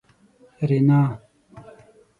رینا